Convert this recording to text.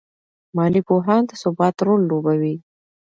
مالي پوهان د ثبات رول لوبوي.